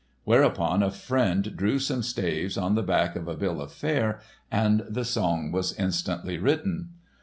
whereupon a friend drew some staves on the back of a bill of fare and the song was instantly written.